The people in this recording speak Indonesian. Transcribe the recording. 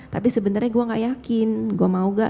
tapi sebenarnya gue gak yakin gue mau gak